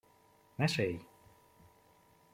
Mesélj!